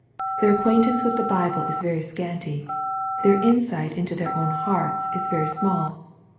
Their acquaintance with the Bible is very scanty. Their insight into their own hearts is very small.